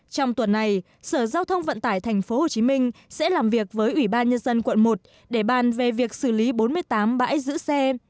trong tuần này sở giao thông vận tải tp hcm sẽ làm việc với ủy ban nhân dân quận một để bàn về việc xử lý bốn mươi tám bãi giữ xe